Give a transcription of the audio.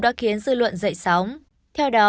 đã khiến dư luận dậy sóng theo đó